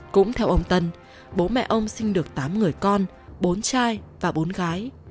cũng theo ông tân bố mẹ ông sinh được tám người con bốn trai và bốn gái